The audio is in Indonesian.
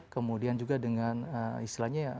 kemudian juga dengan istilahnya